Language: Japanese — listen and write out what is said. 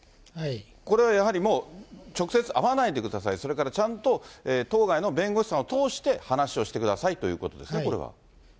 これはやはり、直接会わないでください、それからちゃんと当該の弁護士さんを通して話をしてくださいといそうですね。